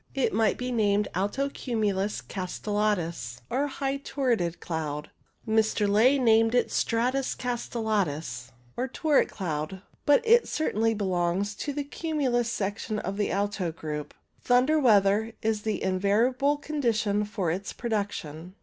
It might be named alto cumulus castellatus, or high turreted cloud. Mr. Ley named it stratus castellatus, or turret cloud, but it certainly belongs to the cumulus section of the alto group. Thunder weather is the invariable condition for its production.